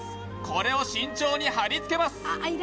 これを慎重に貼りつけます